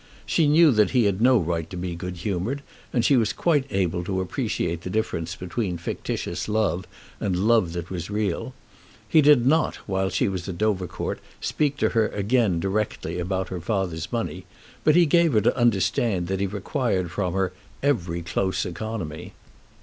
She knew that he had no right to be good humoured, and she was quite able to appreciate the difference between fictitious love and love that was real. He did not while she was at Dovercourt speak to her again directly about her father's money, but he gave her to understand that he required from her very close economy.